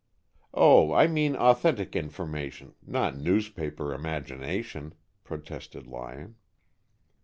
"Oh, I mean authentic information, not newspaper imagination," protested Lyon.